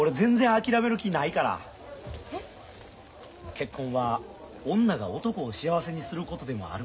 結婚は女が男を幸せにすることでもある。